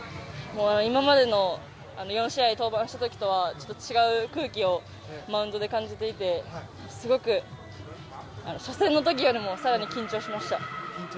今までの４試合、登板した時とは違う空気をマウンドで感じていてすごく初戦の時よりも更に緊張しました。